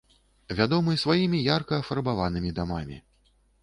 Вядомы сваімі ярка афарбаванымі дамамі.